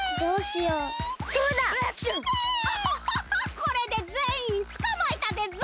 これでぜんいんつかまえたでざます。